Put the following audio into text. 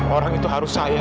orang itu harus saya